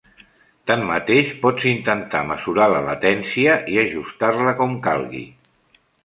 Tanmateix, pots intentar mesurar la latència i ajustar-la com calgui.